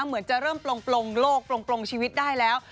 เหมือนจะเริ่มปลงโลกปลงชีวิตได้แล้ว